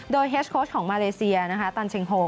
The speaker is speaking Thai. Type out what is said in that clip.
โดยเฮสโค้ชของมาเลเซียนะคะตันเชงโฮ